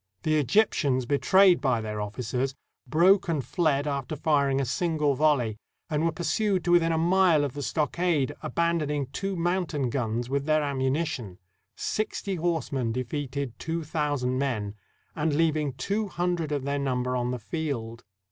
The Egyptians, betrayed by their officers, broke and fled after firing a single volley, and were pursued to within a mile of the stockade, abandoning two mountain guns with their ammunition — "sixty horsemen defeated two thousand men "— and leaving two hundred of their number on the field.